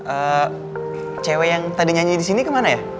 eh cewek yang tadi nyanyi di sini kemana ya